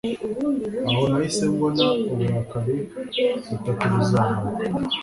aho nahise mbona Uburakari butatu buzamuka